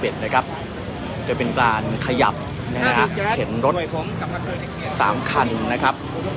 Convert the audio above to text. โดยเป็นการขยับเข็นรถ๓คันนะครับ